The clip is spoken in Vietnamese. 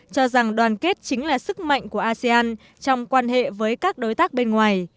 cho rằng đoàn kết chính là sức mạnh của asean trong quan hệ với các đối tác bên ngoài